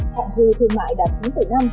hạn dư thương mại đạt chín năm tỷ usd